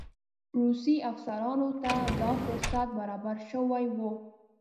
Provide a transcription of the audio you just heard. روسي افسرانو ته دا فرصت برابر شوی وو.